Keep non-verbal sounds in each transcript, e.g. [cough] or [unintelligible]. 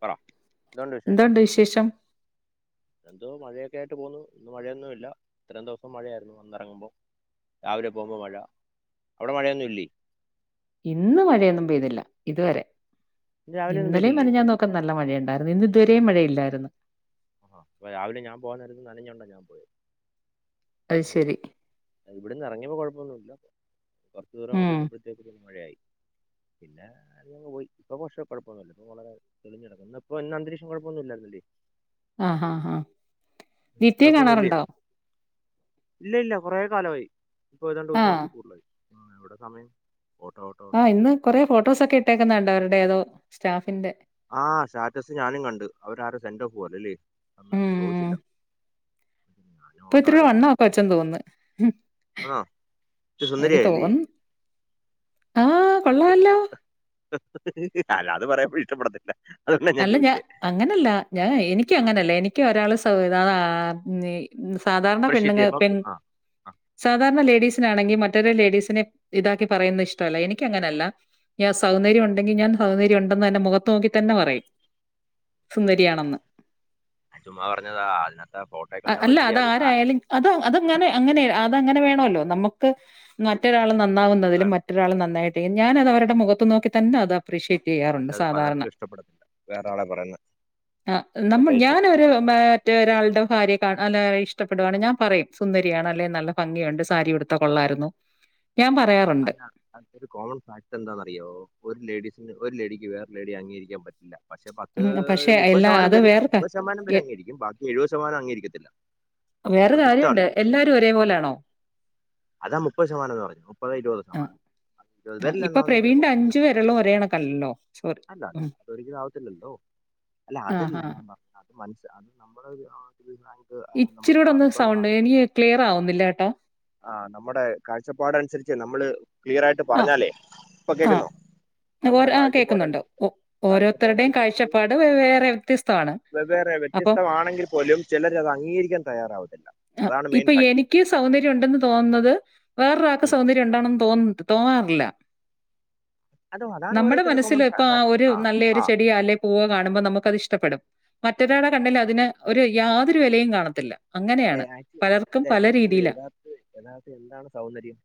പറ എന്തുണ്ട് വിശേഷം എന്തോ മഴയ ഒക്ക ആയിട്ട് പോന്നു ഇന്ന് മഴയൊന്നുല്ല ഇത്രയും ദിവസം മഴയായിരുന്നു ഒന്നെറങ്ങുമ്പോ രാവിലെ പോകുമ്പോ മഴ അവിടെ മഴയൊന്നും ഇല്ലേ ഇന്ന് മഴയൊന്നും പെയ്തില്ല ഇതുവരെ ഇന്ന് രാവിലെ ഒന്നും ഇന്നലെയും പെയ്തില്ലേ മെനിഞ്ഞാന്നും ഒക്കെ നല്ല മഴയുണ്ടായിരുന്നു ഇന്ന് ഇതുവരെ [unintelligible] മഴയില്ലായിരുന്നു ആഹ് അപ്പോ രാവിലെ ഞാൻ പോകാൻ നേരത്ത് നനഞ്ഞൊണ്ടാ ഞാൻ പോയത് അത് ശരി. ഇവിടുന്ന് എറങ്ങിയപ്പോ കൊഴപ്പൊന്നുല്ല കൊറച്ച് ദൂരം അങ്ങോട്ട് ഉം. ചെന്നപ്പോഴത്തേക്ക് മഴയായി പിന്നെ അങ്ങനങ് പോയി ഇപ്പൊ പക്ഷെ കൊഴപ്പമൊന്നുല്ല ഇപ്പോ വളരെ തെളിഞ്ഞികിടക്കുന്നു ഇപ്പൊ ഇന്ന് അന്തരീക്ഷം കൊഴപ്പൊന്നുമില്ലായിരുന്നല്ലേ ആഹ് ആഹ് ആഹ് നിത്യേ കുഴപ്പമൊന്നും ഇല്ലേ കാണാറുണ്ടോ ഇന്ന് ഇല്ല ഇല്ല കുറെ കാലവായി ഇപ്പോ ഏതാണ്ട് ആഹ് ഒരുമാസത്തി കൂടുതലായി ഉം എവിടെ സമയം ഓട്ടോ ഓട്ടോ ഓട്ടോ ആഹ് ഇന്ന് കൊറെേ ഫോട്ടോസ് ഒക്കെ ഇട്ടേക്കുന്ന് കണ്ട് അവരുടേ ഏതോ സ്റ്റാഫിന്റെ ആ സ്റ്റാറ്റസ് ഞാനും കണ്ട് അവരാരും സെൻഡ് ഓഫ് പോലെ അല്ലേ അന്ന് ഞാൻ ചോദിച്ചില്ല ഉം ഞാനും ഇപ്പൊ ഇത്തിരിയുടെ ഓട്ടമായിരുന്നു. വണ്ണൊക്കെ വച്ചെന്ന് തോന്ന്ന്ന് ആണോ? ഇച്ചിരി എനിക്ക് സുന്ദരിയായില്ലേ? തോന്ന് ആഹ് കൊള്ളാല്ലോ. [unintelligible] അത് പറയുമ്പോ ഇഷ്ടപ്പെടത്തില്ല അതുകൊണ്ടാ ഞാൻ അല്ല ഞാ ചോദിച്ചേ. അങ്ങനല്ല ഞാ എനിക് ആ? അങ്ങനല്ല എനിക് ഒരാള് [unintelligible] ആത്മീ സാധാരണ അപ്രിഷിയേറ്റ് പെണ്ണുങ്ങ ചെയ്യുമ്പം പെൺ ആ. ആ. സാധാരണ ലേഡീസ് സിനാണെങ്കി മറ്റൊരു ലേഡീസിനെ ഇതാക്കി പറയുന്നത് ഇഷ്ടവല്ല എനിക്ക അങ്ങനല്ല ഞാ സൗന്ദര്യം ഉണ്ടെങ്കി ഞാൻ സൗന്ദര്യം ഉണ്ടെന്ന് തന്നെ മുഖത്ത് നോക്കി തന്നെ പറയും സുന്ദരിയാണെന്ന് ഞാൻ ചുമ്മാ പറഞ്ഞതാ. അതിനകത്ത് ആ ഫോട്ടോ കണ്ടപ്പോ അല്ല ഇച്ചിരി അത അത് സാ- ആരായാലും അത് അതങ്ങനെ അങ്ങനെ അതങ്ങനെ വേണോല്ലോ നമുക്ക് മറ്റൊരാൾ നമു ന്നാവുന്നതിലും മറ്റൊരാൾ നന്നായിട്ട് ഞാനത് അവരുടെ മുഖത്ത് നോക്കി തന്നെത അപ്രിഷിയേറ്റ് പക്ഷെ ചെയ്യാറുണ്ട് അത് സാധാരണ പലർക്കും ഇഷ്ടപ്പെടത്തില്ല. വേറെ ആളെ പറയുന്നത് ആ നമ്മ പ്രത്യേകിച്ച്. ഞാനൊരു മ മറ്റരാളുടെ ഭാര്യ അല്ല ഇഷ്ടപ്പെടുകയാണ് ഞാൻ പറയും സുന്ദരിയാണ് അല്ലെ നല്ല ഭംഗിയുണ്ട് സാരി ഉടുത്ത കൊള്ളാായിരുന്നു അത അതരു കോമൺ ഫാക്ട് എന്താന്ന്റിയോ ഒരു ലേഡീസിന് ഒരു ലേഡിക്ക് വേറെ ലേഡി അംഗീകരിക്കാൻ പറ്റില്ല പക്ഷെ പത്ത് ഉം പക്ഷെ മുപ്പത് എല്ലാ ശതമാനം അത് പേര് വേറെ ക മുപ്പത് ശതമാനം എ- പേര് അങ്ങീരിക്കും ബാക്കി എഴുപത് ശതമാനം അങ്ങീരിക്കത്തില്ല വേറെ കാര്യംണ്ട് എല്ലാരും ഒരേപോലൊണോ അതാ മുപ്പത് ശതമാനംന്ന് പറഞ്ഞ മുപ്പത് ഇരുപത് ആ ശതമാനം ആ വരില്ല ഇപ്പൊ എണ്ണാവ പ്രവീണിന്റെ ചപ്പോരു അഞ്ചു വിരലും ഒരേ കണക്കല്ലല്ലോ സോറി അല്ല അല്ല അത ഒരിക്കലും ആവത്തില്ലല്ലോ അല്ല ആ ആ അതല്ല ഹാ ഞാൻ പറഞ്ഞ അ [unintelligible] ഇച്ചിരൂടെ ഒന്ന് സൗണ്ട് ഇനി ക്ലിയർ ആവുന്നില്ല ട്ടോ ആ നമ്മുടെ കാഴ്ചപ്പാട അനുസരിച്ച് നമ്മള് ക്ലിയർ ആയിട്ട് ആ പറഞ്ഞാലേ ഇപ്പൊ ആ കേൾക്കുന്നോ നമ്മുടെ ഓരോ- ആ കേൾക്കുന്നുണ്ട് കാഴ്ചപ്പാടനുസ ഓ- കാഴ്ചപ്പാട ഓരോരുത്തരുടെയും അനുസരിച്ച് കാഴ്ചപ്പാട് വേ- വേറെ വ്യത്യസ്തമാണ് വെവ്വേറെ അപ്പം വ്യത്യസ്തമാണെങ്കിൽ പോലും ചിലര് അത് അംഗീകരിക്കാൻ തയ്യാറാവുനില്ല ആ ഇപ്പൊ എനിക്ക് സൗന്ദര്യം ഉണ്ടെന്ന് തോന്നുന്നത് വേറൊരാക്ക് സൗന്ദര്യം ഉണ്ടാണം തോന്നുനുണ്ട് തോന്നാറില്ല അതോ അതാണ് നമ്മുടെ ഓരോരുത്തരുടെ കോമൺ മനസ്സില് ഇപ്പൊ ആ ഫാക്ട് ഒരു നല്ല ഒരു ആ ചെടിയാ അല്ലേ പൂവോ കാണുമ്പോൾ നമുക്ക് അത് ഇഷ്ടപ്പെടും മറ്റൊരാടെ കണ്ണിൽ അതിന് ഒരു യാതൊരു വിലയും കാണത്തില്ല അങ്ങനെ ഏ ആ അല്ല യഥാർത്ഥത്തിലെ യഥാർത്ഥ യഥാർത്ഥത്തില് എന്താണ് സൗന്ദര്യം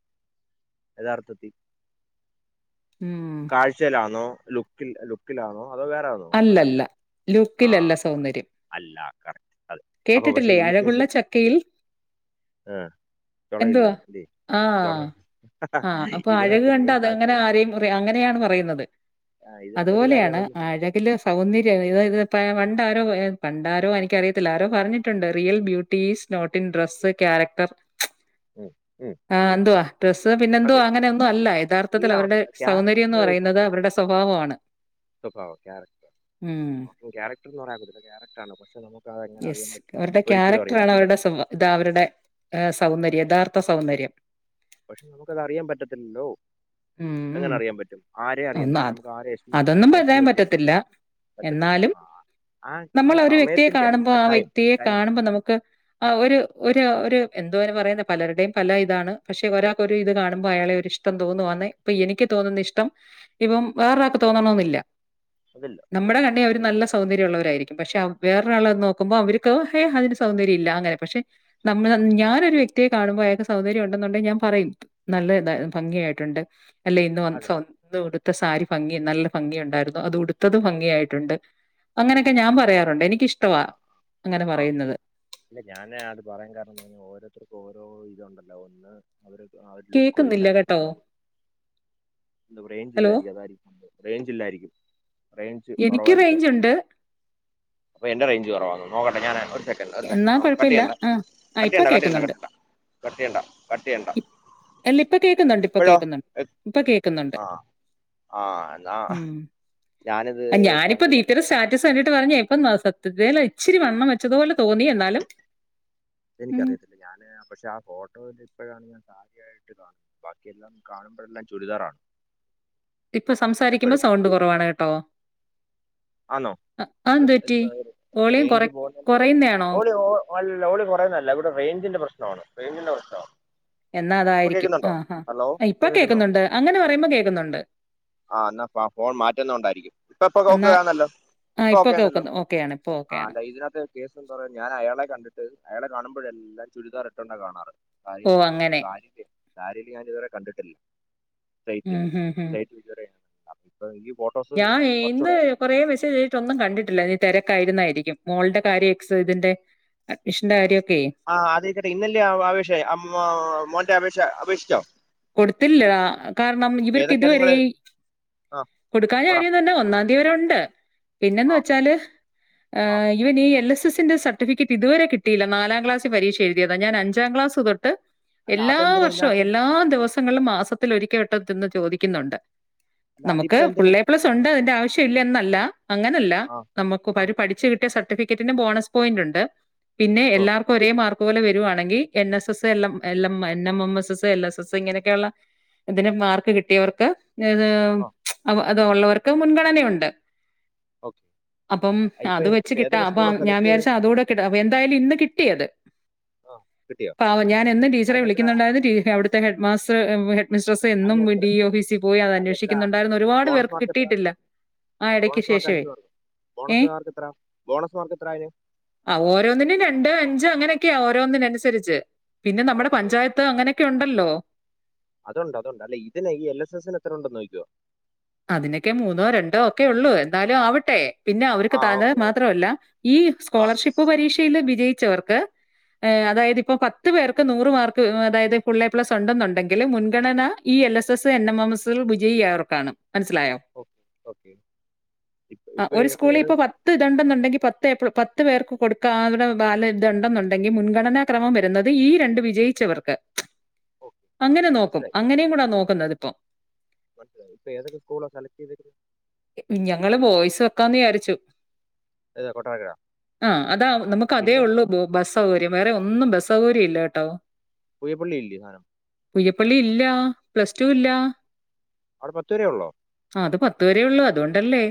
യഥാർത്ഥത്തി ഉം കാഴ്ചയിലാന്നോ ലു ലുക്കിൽ ലുക്കിലാണോ അതോ വേറാന്നോ അതല്ല അല്ലല്ല ആ ലുക്കിലല്ല സൗന്ദര്യം അല്ല കറക്റ്റ് അതെ അപ്പൊ പക്ഷെ കേട്ടിട്ടില്ലേ ഈ അഴകുള്ള കേസിൽ ചക്കയിൽ ആ എന്തുവാ തുളയില്ലെന്ന് ഇല്ലിയോ തൊള ആഹ് ആഹ് അപ്പൊ അഴക് ഇതിനകത്തെ കണ്ട മെയിൻ അത് അങ്ങനെ ഫാക്ട് ആരെയും പറ അങ്ങനെയാണ് പറയുന്നത് ഇതിനകത്ത് ഒരു കാര്യം അതുപോലെയാണ് അവൻ ശ്രദ്ധി- ആഴ ഒന്ന് ഇത് പണ്ടാരോ പണ്ടാരോ എനിക്കറിയത്തില്ല ആരോ പറഞ്ഞിട്ടുണ്ട് real beauty is not in dress character ഉം, ഉം, ആ എന്തുവാ ഡ്രസ്സ് പിന്നെന്തുവാ അതെ അങ്ങനെ ഒന്നും അല്ല യഥാർത്ഥത്തിൽ എല്ലാം അവരുടെ ഉണ്ട് സൗന്ദര്യം ക്യാരക്ടർ എന്ന് വൈസ് ആണ് പറയുന്നത് അവരുടെ സൗ സ്വഭാവമാണ് സ്വഭാവം ക്യാരക്ടറ് ഉം അപ്പം ക്യാരക്ടർ എന്ന് പറയാൻ പറ്റത്തില്ല ക്യാരക്ടറാണോ പക്ഷെ നമുക്ക് അതെങ്ങനെ യെസ് അറിയാൻ പറ്റും അവരുടെ ഒരിക്കലും അറിയാൻ ക്യാരക്ടറാണ് പറ്റു അവരുടെ സ്വഭാ ഇതാ അവരുടെ ആ, സൗന്ദര്യം പക്ഷെ യഥാർത്ഥ സൗന്ദര്യം പക്ഷെ നമുക്ക് അത് അറിയാൻ പറ്റത്തില്ലല്ലോ ഉം എങ്ങനെ അറിയാൻ പറ്റും ആരേ അറിയാൻ ഒന്ന് പറ്റും അത് നമുക്ക് ആരെ അതൊന്നും പറയാൻ എസ്റ്റിമേറ്റ് ചെയ്യാൻ പറ്റും പറ്റത്തില്ല. എന്നാലും ആ നമ്മൾ ഒരു വ്യക്തിയെ സമയത്തിന്റെ ആണ് കാണുമ്പോ ആ ടൈം വ്യക്തിയെ ടൈം കാണുമ്പോ നമുക്ക് ആ ഒരു ഒരു ഒരു എന്തുവാ അതിനു പറയുന്നെ പലരുടെയും പല ഇതാണ് പക്ഷെ ഒരാക്ക് ഒരു ഇത് കാണുമ്പോ അയാളെ ഒരു ഇഷ്ടം തോന്നുവാന്നെ ഇപ്പൊ എനിക്ക് തോന്നുന്ന ഇഷ്ടം ഇപ്പം വേറൊരാൾക്ക് തോന്നണമെന്നില്ല അതില്ല നമ്മുടെ കണ്ണി അവര് അതില്ല നല്ല സൗന്ദര്യം ഉള്ളവരായിരിക്കും പക്ഷെ വേറൊരാളെ നോക്കുമ്പോ അവർക്ക് ഹേ അതിന് സൗന്ദര്യം ഇല്ലാന്ന് അങ്ങനെ പക്ഷെ നമ്മ ഞാനൊരു വ്യക്തിയെ കാണുമ്പോ അയാക്ക് സൗന്ദര്യം ഉണ്ടെന്നുണ്ടെങ്കി ഞാൻ പറയും നല്ല ഭംഗി ആയിട്ടുണ്ട് അല്ല ഇന്ന് വന്ന് അതെ സൗ [unintelligible] ഉടുത്ത സാരി ഭംഗി നല്ല ഭംഗി ഉണ്ടായിരുന്നു അതുടു ത്തത് ഭംഗിയായിട്ടുണ്ട് അങ്ങനെയൊക്കെ അതെ ഞാൻ പറയാറുണ്ട് എനിക്കിഷ്ടവാ ആ അങ്ങനെ ആ പറയുന്നത് ഓരോത്തർക് ഓരോ ഇതുണ്ടല്ലോ ഒന്ന് അവര് ആ ഒരു ലുക്ക് കേക്കുന്നില്ല കേട്ടോ. വൈസായിരിക്കത്തൊള്ളൂ എന്താ ഹലോ? റേഞ്ചില്ലാരിക്കും അതാരിക്കും റേഞ്ചിൽ രിക്കും എനിക്ക് റേഞ്ച് ഉണ്ട് അപ്പൊ എന്റെ റേഞ്ച് കുറവാന്നോ നോക്കട്ടെ ഞാനെ സെക്കന്റ്‌ ഒരു സെക്കന്റ്‌ എന്നാ ആ കട്ട്‌ കുഴപ്പമില്ല. ചെയ്യണ്ട ആ. ആ കട്ട്‌ ഇപ്പ ചെയ്യണ്ട കട്ട്‌ ചെയ്യണ്ട കേക്കുന്നുണ്ട്. കട്ട്‌ ചെയ്യണ്ട കട്ട്‌ ചെയ്യണ്ട കട്ട്‌ ചെയ്യണ്ട ഇ അല്ല ഇപ്പ കേക്കുന്നുണ്ട്, ഇപ്പ ഇപ്പഴോ കേക്കുന്നുണ്ട്. ഇപ്പ കേക്കുന്നുണ്ട്. ആഹ് ആഹ് എന്നാ ഉം. ഞാനിത് ഞാനിപ്പോ കഴി [unintelligible] കണ്ടിട്ട് പറഞ്ഞെ ഇപ്പം ഉം സത്യത്തിലെ ഇച്ചിരി വണ്ണം വച്ചതുപോലെ തോന്നി എന്നാലും ഉം, എനിക്കറിയത്തില്ല ഞാന് പക്ഷെ ആ ഫോട്ടോ ഇപ്പഴാണ് ഞാൻ സാരിയായി ബാക്കിയെല്ലാം കാണുമ്പോഴെല്ലാം ചുരിദാറാണ് ഇപ്പൊ സംസാരിക്കുമ്പോ സൗണ്ട് കുറവാണ് കേട്ടോ ആന്നോ [inaudible] അ- അതെന്ത് പറ്റി വോളിയം കുറ കുറയുന്നതാണോ ഓളിയോ ഓ ഓളി കുറേന്നല്ല ഇവിടെ റേഞ്ചിന്റെ പ്രശ്നമാണ് റിയ്ഞ്ചിന്റെ പ്രേശ്നവ എന്നാ ഇപ്പ അതായിരിക്കും കേക്കുന്നുണ്ടോ ആ ഹാ ഹലോ ഇപ്പൊ കേക്കുന്നോ കേൾക്കുന്നുണ്ട് അങ്ങനെ പറയുമ്പോ കേൾക്കുന്നുണ്ട് ആ എന്നാ ഫോൺ മാറ്റന്ന കൊണ്ടായിരിക്കും ഇപ്പപ്പൊ എന്നാ ല്ലോ ആ ഇപ്പൊ ഓക്കൊയാണല്ലോ കേൾക്കുന്നു ഓക്കെയാണ് ഇപ്പൊ ആ ഓക്കെയാണ് അല്ല ഇതിനകത്ത് കേസ് എന്താ പറ ഞാൻ അയാളെ കണ്ടിട്ട് അയാളെ കാണുമ്പോഴ എല്ലാം ചുരിദാർ ഇട്ടോണ്ട കാണാറ് ഓ കാര്യം അങ്ങനെ സാരി സര്യേല് ഞാൻ ഇതുവരെ കണ്ടിട്ടില്ല സൈറ്റ് ഉം, സൈറ്റ് [unintelligible] അപ്പാ ഗ്യു ഞാ ഇന്ന് കുറേ മെസേജ്ട്ട് ഒന്നും കണ്ടിട്ടില്ല. ഇ തിരക്കായിരുന്നായിരിക്കും മോൾടെ കാര്യം എക്സ് ഇതിന്റെ അഡ്മിഷന്റെ കാര്യ ആ അതെക്കെട്ടെ ഇന്നല്ലെ ആഓ ഷയ അം മോ മോന്റെ വി ക്ഷ അപേക്ഷിച്ചോ? കൊടുത്തില്ല ആ കാരണം ഇവര്ക്ക് ഏതൊക്കെയാ ഇതുവരെ നിങ്ങള് ആ കൊടുക്കാഞ പറ കാര്യം തന്നെ ഒന്നാംന്തി വരേ ഉണ്ട് പിന്നെന്ന് ആ വെച്ചാല് ഏ ആ ഇവന് എല്ല് സ് തി സി ന്റെ സർട്ടിഫിക്കറ്റ് ഇത് വരെ കിട്ടിയില്ല. നാലാംക്ലസ് പരീക്ഷ എഴുതിതാ ഞാൻ അഞ്ചാം ക്ലാസ് തൊട്ട് അല്ല എല്ലാ അതെന്തിനാ വർഷവും ഇതിനകത്ത് എല്ലാ ദിവസങ്ങൾല് മാസത്തിലൊരിക്കെ വട്ടത്തിന്ന് ചോദിക്കന്നുണ്ട്. അല്ല നമ്മക്ക് അതിപ്പോ എന്തിനാ ഫുള്ളേ എ പ്ലസ് ഉണ്ട് അയിന്റെ ആവശ്യം ഇല്ലെന്നല്ല അങ്ങനെയല്ല ആ ആ നമ്മക്കുപ്പവര് പഠിച്ച് കിട്ടിയ സ ട്ടിഫിക്കറ്റിന് ബോണസ് പോയിന്റുണ്ട് പിന്നെ ഓ എല്ലാർക്കും ഒരേ മാർ പോലെ വരുവാണങ്കി എൻ എസ് എസ് എല്ലം എല്ലം എ N M S S L S S ഇങ്ങനെയൊക്കെയുള്ള ഇതിന് മാർക്ക് കിട്ടിയവർക്ക് നെത് ആ അവ അത് ഒള്ളവർക്ക് മുൻഗണനയുണ്ട് ഓക്കെ അപ്പം ആ ഇപ്പൊ അത് വെച്ച് ഇപ്പൊ കിട്ടാം ഏതൊക്കെ അപ്പൊ സ്കൂളാ ഞാൻ സെലക്ട് ചെയ്തേ വിചാരിച്ച് അതൂടെ കിട്ട് അപ്പ എന്തായാലും ഇന്ന് കിട്ടിയത് ആ കിട്ടിയോ പാവം ഞാൻ എന്നും ടീച്ചറെ അതിനെത്ര വിളിക്ക്ന്ന്ണ്ടായിരുന്നു ടീ അവിടു ത്തെ ഹെഡ് മാസ്റ്റർ ഏ വെ ഹെഡ് മിസ്ട്രസ്സ് എന്നും വീ അതിനെത്ര ഡി ഓഫീസി പോയി അത് അതിനെത്ര അന്വേഷിക്ക്ന്ന്ണ്ടായിരുന്നു. ഒരുപാട് ബോണസ് പേർക്ക് മാർക്ക് എത്ര കിട്ടിയിട്ടില്ല. ആ എടക്ക് ബോണസ് മാർക്ക് ശേഷവേ അഞ്ച് മാർക്ക് ഏ ബോണസ് മാർക്ക് എത്ര ബോണസ് മാർക്ക് എത്ര അതിന് ആ ഓരോന്നിനും രണ്ടോ, അഞ്ചോ അങ്ങനെ ക്ക്യാ ഓരോന്നിനനുസരിച്ച് പിന്നെ നമ്മടെ ഓക്കെ പഞ്ചായത്ത് അങ്ങനെക്കെയുണ്ട് ലോ അതുണ്ട് അതുണ്ട് അല്ലെ ഇതിനെ ഈ എൽ എസ് എസ്സിന് എത്ര ഉണ്ടന്ന് നോക്കിയോ അതിനെക്കെ മൂന്നോ, രണ്ടോ, ഒക്കെ ഉള്ളൂ എന്നാലും ആവട്ടെ പിന്നെ അവർക്ക് ആ ഓക്കെ [unintelligible] ഓക്കെ മാത്രല്ല ഈ ആ സ്കോളർഷിപ്പ് പരീക്ഷയിൽ വിജയി ച്ചവർക്ക് എ ആ അതായത് ഇപ്പൊ പത് ത്ത് പേർക്ക് നൂറ് മാർക്ക് അതായത് ഫുൾ എ പ്ലസ് ഉണ്ടെന്നുണ്ടെങ്കിൽ മുൻഗണന ഈ L S S N M M എസ്സിൽ വിജയിയവർക്കാണ് മനസ്സിൽ ആയോ ഓക്കെ ഓക്കെ ഇപ്പൊ ഇപ്പൊ ഒരു സ്കൂളിൽ ഇപ്പൊ ഏതൊക്കെ പത്തു ഇത് ഉണ്ടെന്ന് പത്ത് എ പേർക്ക് കൊടുക്കാ ബാല ഇതുണ്ടെന്നുണ്ടെങ്കിൽ മുൻഗണനാക്രമം വരുന്നത് ഈ രണ്ട് വിജയിച്ചവർക്ക് ഓക്കെ അങ്ങനെ നോക്കും മനസ്സിലായി അങ്ങനെയ കൂടാ മന- നോക്കുന്നതിപ്പം സ്കൂള് സെലക്ട് ചെയ്തിരുന്നേ ഞങ്ങള് ബോയ്സ് വെക്കാന്ന് വിചാരിച്ചു ഏതാ കൊട്ടാരക്കര ആഹ് അതാ നമുക്ക് അതേ പിന്നെ ഉള്ളൂ ബു ബസ് സൗകര്യം വേറെ ഒന്നും ബസ് സൗകര്യം ഇല്ല കേട്ടോ പുയപള്ളില്ലേ സാനം പുയ്യപ്പള്ളി ഇല്ല പ്ലസ് ടു ഇല്ല അവടെ പത്തുവരെയുള്ളോ അത് പത്ത് തേ ഉള്ളൂ അതോണ്ടല്ലേ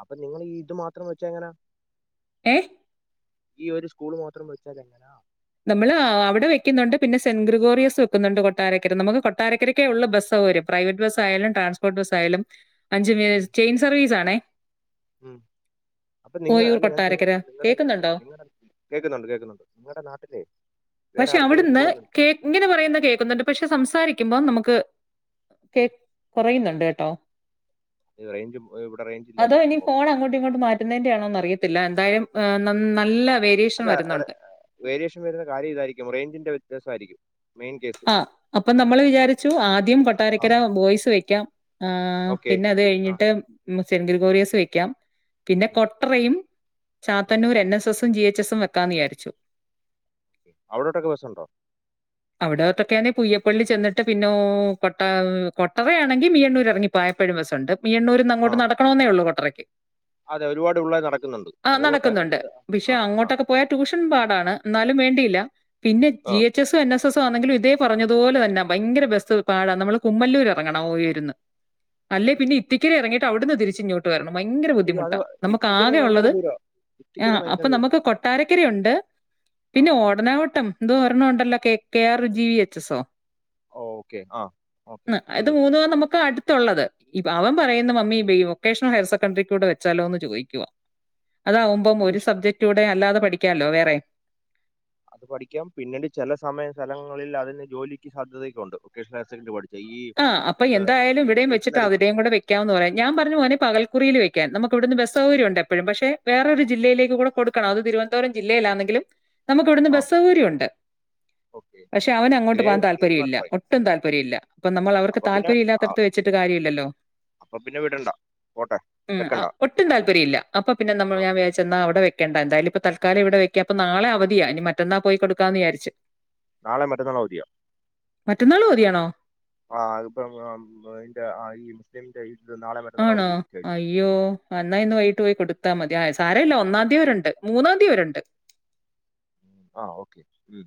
അപ്പൊ നിങ്ങൾ ഇത് മാത്രം വെച്ച് എങ്ങനാ ഏഹ്? ഈ ഒരു സ്കൂളിൽ മാത്രം വിളിച്ചാൽ എങ്ങനാ നമ്മള് അവിടെ വെക്കുന്നുണ്ട് പിന്നെ സെന്റ് ഗ്രിഗോറിയസ് വെക്കുന്നുണ്ട് കൊട്ടാരക്കര നമുക്ക് കൊട്ടാരക്കരക്കെ ഉള്ളൂ ബസ് സൗകര്യം പ്രൈവറ്റ് ബസ്സായാലും ട്രാൻസ്പോർട്ട് ബസ്സായാലും അഞ്ചിന് ഉം, ചെയിൻ സർവീസ് [unintelligible] ണെ ഉം അപ്പൊ നിങ്ങൾ അല്ല ഞാൻ കൊട്ടാരക്കര. ചോദിക്കുന്നത് നിങ്ങള കേക്കുന്നുണ്ടോ? നിങ്ങള കേക്കുന്നുണ്ട് കേക്കുന്നുണ്ട് നിങ്ങടെ നാട്ടില് പക്ഷെ അവിടുന്ന് കേ ഇങ്ങനെ പറയുന്ന കേക്കുന്നുണ്ട് പക്ഷെ സംസാരി ക്കുമ്പോ നമുക്ക് ക്കെ കൊറയുന്നുണ്ട് ണ്ട് കേട്ടോ അ റേഞ്ച് ഇവിടെ റേഞ്ച് ഇല്ലായിരിക്കും സംഭവം [unintelligible] അറിയത്തില്ല എന്താലും നല്ല റെഡിയേഷൻ അല്ല വര്ന്നുണ്ട് വേരിയേഷൻ വരുന്ന കാര്യം ഇതായിരിക്കും റേഞ്ചിന്റെ വ്യത്യാസായിരിക്കും ആ അപ്പം നമ്മള് വിചാരിച്ചു ആദ്യം കൊട്ടാരക്കര ബോയ്സ് വെക്കാം ആ ഓക്കെ പിന്നെ അത് ആ കഴിഞ്ഞിട്ട് മ് സെൻറ്റിൽ കൊറിയസ് വെക്കാം പിന്നെ ഉം, കൊട്ടറെയും ഉം. Chathannoor N S S G H എസും വെക്കാന്ന് വിചാരിച്ചു. അവിടോട്ടൊക്കെ ബെസുണ്ടോ? അവിടത്തൊക്കെ ന്നേ പുയ്യപ്പള്ളി ചെന്നിട്ട് പിന്നോ കൊട്ടാ അ് കൊട്ടറയാണെങ്കി മിയ്യണ്ണൂർ എറങ്ങി പോയപ്പഴും ബെസ്സുണ്ട്. മിയ്യണ്ണൂർ ആ ന്നങ്ങോട്ട് നടക്കണെന്നൊള്ളൂ കൊട്ടറയ് അതെ ഒരുപാട് പിള്ളേർ നടക്കുന്നുണ്ട് [unintelligible] ആഹ് അത് പോട്ടെ നടക്കുന്നുണ്ട് പക്ഷേ ആ ആ അങ്ങോട്ടൊക്കെ പോയാ ട്യൂഷൻ പാടാണ്. എന്നാലും വേണ്ടില്ലാ. പിന്നെ ആ ജി എച്ച് എസ് സും എൻ എസും സ് ആണെങ്കിലും ഇതേ പറഞ്ഞതു പോലെ തന്നാ ഭയങ്കര ബെസ് പാടാ നമ്മള് കുമ്മല്ലൂര് എറങ്ങണം ഓയിര്ന്ന് അല്ലേ പിന്നെ ഇത്തിക്കരെ എറങ്ങയിട്ട് അവട്ന്ന് തിരിച്ച് ഇങ്ങോട്ട് വെരണം ഭയങ്കര അയ്യോ അത് ബുദ്ധിമുട്ടാ നമക്ക് ഇത്തിക്കര ആകെ ഭയങ്കര ഒള്ളത് ദൂരം ആ ഇത്തിക്കര ഭയങ്കര അപ്പം ദൂരം നമക്ക് കൊട്ടാരക്കര ഉണ്ട് ആ പിന്നെ ഓടനാവട്ടം എന്തോ ഒരെണം ഉണ്ടല്ലോ കേ കെയർ ജി എച്ചസോ ഓക്കെ ആ ഓക്കെ ആാ അത് ഉണ്ട് മൂന്നുവാ നമക്ക് അടുത്ത് യുള്ളത് അവൻ പറയ്ന്ന് മമ്മി വൊക്കേഷണൽ ഹയർ സെക്കൻഡറിക്കുടെ വെച്ചാലോ എന്ന് ചോദിക്കുവാ അതാവുമ്പം ഒര് കിഷ് സബ്ജെക്ട് അധി അല്ലാതെ പഠിക്കല്ലോ വേറെ അത് പഠിക്കാം പിന്നീട് ചെല സമയ സ്ഥങ്ങളില് അതിന് ജോലിക്ക് സാധ്യതയെക്കെ ഉണ്ട് വൊേഷണൽ ഹയർ സെക്കൻറി പഠി ആാ അപ്പം എന്തായാലും ഇവടെയും വെച്ചട്ടാ വെറ്റിനറിക്ക് അവടെയും കൂടെ വെക്ക്യാ എന്ന് പറയാ ഞാൻ പറഞ്ഞു മോനേ പകൽക്കുറിയിൽ വെക്ക വെക്യാ നമക്ക് അവടുന്ന് ബെസ് സൗക്യയെണ്ട് എപ്പോഴും പശെ വേറൊരു ജില്ലയിലേക്ക്കുടെ കൊടുക്കണം അത് തിരുവനന്തപുരം ജില്ലയിലാണെങ്കിലും നമക്ക് ഇവിടന്ന് ആ ബെസ് സൗകര്യയെണ്ട് ഓക്കെ പശെ അവന് അങ്ങോട്ട് പോകൻ ഗ്രേഡ് ഗ്രേസ് താല്പര്യയില്ല മാർക്കായി ഒട്ടും താല്പര്യയില്ല അപ്പം നമ്മള് അവർക്ക് അപ്പൊ പിന്നെ താല്പര്യം ആ, ഇല്ലാത്തെടത്ത് വെച്ചിട്ട് കാര്യയില്ലല്ലോ അപ്പൊ പിന്നെ വിടണ്ട പോട്ടെ ഉം വെക്കണ്ട ഒട്ടും താല്പര്യം ഇല്ല അപ്പം പിന്നെ നമ്മള് ആ ഞാൻലിചാരിച്ച് അവടെ വെ വെക്കണ്ട എന്തായാലും ഇപ്പം തൽക്കാലം ഇവടെ വെക്ക അപ്പം നാളെ അവധിയാ ഇനി മറ്റന്നാ പോയി കൊടുക്കാന്ന് വിചാരിച്ചു നാളെയം മറ്റന്നാളും അവധിയാ മറ്റന്നാന്നാളും അവധിയാണോ [inaudible] മറ്റന്നാൾ ആണോ അവധി പ്രഖ്യാപിച്ചു അയ്യോ അന്നാ ഇന്ന് വൈകിട്ട് പോയി കൊടുത്താ മതി സാരല്ലാ ഒന്നാം തീയതി അവരെയെണ്ട് മൂന്നാം തീയതി അവരെണ്ടയെണ്ട് ആാ ഓക്കെ ഉം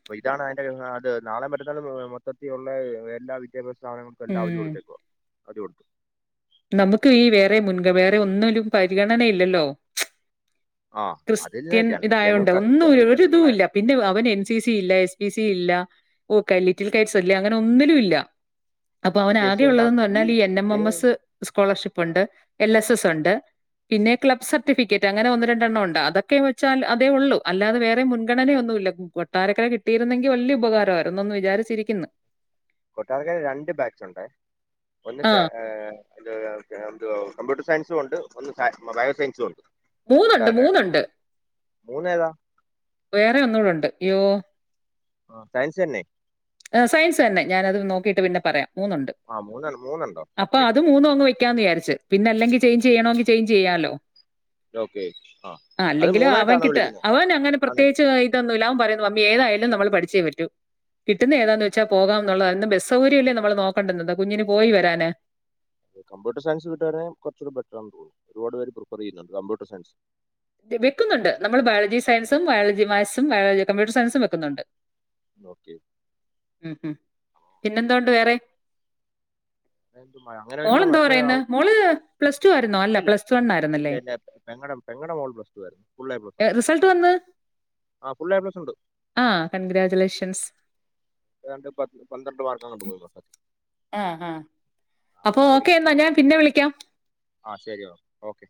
അപ്പം ഇതാണതിൻ്റെ അതെ നാളെ മറ്റാന്നാളും മൊത്തത്തി ഒള്ളേ എല്ലാ വിദ്യാഭ്യാസ സ്ഥാപനങ്ങളെകെ ഉം. അവധി കൊടുത്തേക്ക്യുവാ [inaudible] നമുക്ക് ഈ വേറെ മുൻഗ വേറെ ഒന്നിലും പരിഗണനയില്ലല്ലോ. ആ അതിൽ ക്രിസ്ത്യൻ ജനറൽ ജനറൽ ഇതായോണ്ട് കാസ്റ്റ് ഒന്നും ജനറൽ ജനറൽ ഒരിതൂല്ല. ആയിട്ട് പിന്നെ അവൻ എൻ സി സി ഇല്ല എസ് പി സി ഇല്ല [unintelligible] ങ്ങനൊന്നിലുല്ല അപ്പൊ ഈ അവൻ കേസ് ആകെ തന്നെ ഉള്ളതെന്ന് പറഞ്ഞാല് ഈ എൻ എം ഇതേ എം എസ് സ്കോളർഷിപ്പുണ്ട് എൽ എസ് എസ് ഒണ്ട് പിന്നെ ക്ലബ് സർട്ടിഫിക്കറ്റ് അങ്ങനെ ഒന്ന് രണ്ടെണ്ണം ഉണ്ട് അതൊക്കെ വെച്ചൽ അതേ ഉള്ളൂ അല്ലാതെ വേറെ മുഗണനയ ഒന്നും ഇല്ല കൊട്ടാരക്കര കിട്ടിയിരുന്നെങ്കിൽ വലിയ ഉപകാരമായിരുന്നന്നന്ന് വിചാരിച്ചിരിക്കുന്നു കൊട്ടാരക്കാരെൽ രണ്ട് ബാച്ചുണ്ടായിരുന്നു. ഒന്ന് ആ [unintelligible] കമ്പ്യൂട്ടർ സയൻസോണ്ട് ഒന്ന് സയ ബയോസയൻസുണ്ട്. മൂന്നൊണ്ട് മൂണൊണ്ട്. മൂന്നേതാ വേറെ ഒന്നൂടൊണ്ട് ഇയ്യോ സയൻസ് തന്നെ ഏ സയൻസ് തന്നെ ഞാനത് നോ ക്കീട്ട് പിന്നെ പറയാം. മൂന്നൊണ്ട് ആ മൂന്നെണ്ണം മൂന്നുണ്ടോ അപ്പ ഓക്കെ അത് മൂന്നുവങ്ങ് വെ ക്കാന്ന് വിചാരിച്ച് പിന്നെ അല്ലെങ്കി ചേഞ്ച് ചെയ്യണെങ്കിൽ ചേഞ്ച് ചെയ്യാലോ. ഓക്കെ ആ അത് അല്ലെങ്കിലും മൂന്നായിട്ടാണോ അവൻകിട്ട വിളിക്കുന്നത് അവൻ അങ്ങനെ പ്ര ആണല്ലേ പ്രത്യേകിച്ചു വൈകിട്ടൊന്നുമില്ല അവൻ പറ മമ്മി ഏതായാലും നമ്മൾ പഠിച്ചേ പറ്റൂ കിട്ടുന്ന ഏതാന്ന് വെച്ചാ പോകാന്നുള്ളതാ ബസ് സൗകര്യമല്ലേ നമ്മള് നോക്കണ്ടന്നത് കുഞ്ഞിന് പോയി വരാന്. കമ്പ്യൂട്ടർ സയൻസ് കിട്ടുവായിരുന്നേ കുറച്ചുടെ ബെട്രാന്ന്‌ തോന്നൂ. ഒരുപാട് പേര് പ്രിഫർ ചെയ്യുന്നുണ്ട് കമ്പ്യൂട്ടർ സയൻസ്. വെക്കുന്നുണ്ട് നമ്മള് ബയോളജി സയൻസും ബയോളജി മാക്സ് ബയോളജി കമ്പ്യൂട്ടർ സയൻസും വെക്കുന്നുണ്ട്. നോക്ക്യേ ഉം ഉം. പിന്നെന്തോണ്ട് വേറെ? ആയെന്തു അങ്ങനെ വരുമ്പോ മോളെന്തോ മറ്റേ പറയുന്നത് ആവും മോള് പ്ലസ് ടു ആയിരുന്നോ അല്ല ഇല്ലില്ല പ്ലസ് ടു വൺ ഇല്ല ആയിരുന്നല്ലേ ഇല്ല പെങ്ങടെ പെങ്ങടെ മോൾ പ്ലസ് ടു ആയിരുന്നു ഫുൾ എ പ്ലസ് ഉണ്ട് റിസൾട്ട് വന്ന് ആ ഫുൾ എ പ്ലസ് ഉണ്ട് ആ കൺഗ്രാജുലേഷൻസ്. ഏതാണ്ട് പത് പന്ത്രണ്ട് മാർക്കാണ്ട് പോയി മൊത്തത്തിൽ ആ ആ ആ, അത് അപ്പൊ നല്ല ഓക്കെ പഠിക്കുന്നു എന്നാ ഞാൻ പിന്നെ വിളിക്കാം. ആ ശരി ഓക്കെ